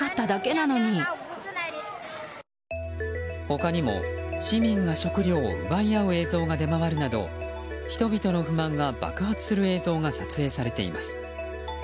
他にも市民が食料を奪い合う映像が出回るなど人々の不満が爆発する映像が撮影されています。